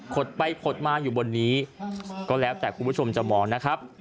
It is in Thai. ดไปขดมาอยู่บนนี้ก็แล้วแต่คุณผู้ชมจะมองนะครับ